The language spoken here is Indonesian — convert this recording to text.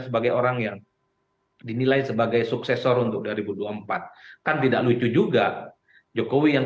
sebagai orang yang dinilai sebagai suksesor untuk dua ribu dua puluh empat kan tidak lucu juga jokowi yang